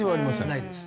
ないです。